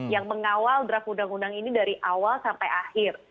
yang mengawal draft undang undang ini dari awal sampai akhir